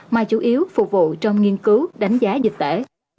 mà chủ yếu phục vụ trong nghiên cứu đánh giá dịch tễ